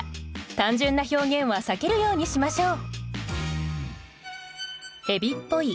単純な表現は避けるようにしましょう。